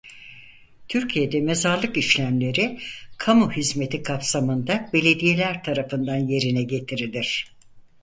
Türkiye'de mezarlık işlemleri kamu hizmeti kapsamında belediyeler tarafından yerine getirilir.